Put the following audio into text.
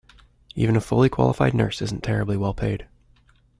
Even a fully qualified nurse isn’t terribly well paid.